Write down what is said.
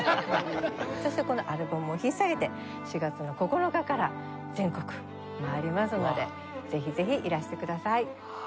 そしてこのアルバムを引っ提げて４月の９日から全国回りますのでぜひぜひいらしてください。